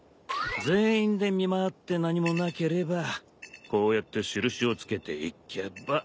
全員で見回って何もなければこうやって印をつけていけば効率的だろ？